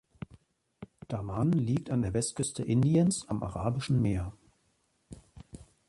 Daman liegt an der Westküste Indiens am Arabischen Meer.